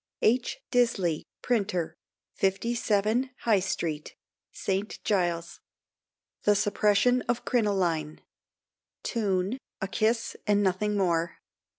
H. DISLEY, Printer, 57, High Street, St. Giles. THE SUPPRESSION OF CRINOLINE. Tune "A KISS AND NOTHING MORE."